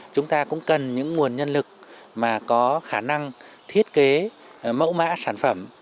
chúng ta cũng cần những nguồn nhân lực mà có khả năng thiết kế mẫu mã sản phẩm